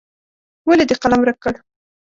ولې دې قلم ورک کړ.